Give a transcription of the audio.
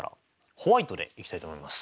ホワイトでいきたいと思います。